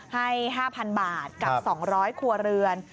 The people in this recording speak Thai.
ให้๕๐๐๐บาทกับ๒๐๐ครัวเรือน